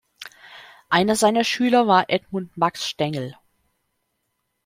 Einer seiner Schüler war Edmund Max Stengel.